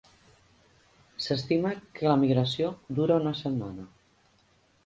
S'estima que la migració dura una setmana.